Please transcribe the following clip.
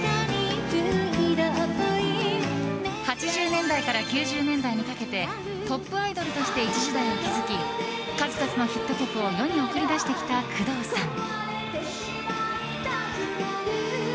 ８０年代から９０年代にかけてトップアイドルとして一時代を築き数々のヒット曲を世に送り出してきた工藤さん。